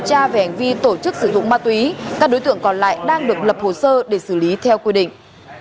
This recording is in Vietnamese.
các đối tượng còn lại đang được lập hồ sơ để xử lý theo quy định